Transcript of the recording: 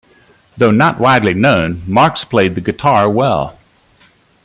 Though not widely known, Marx played the guitar well.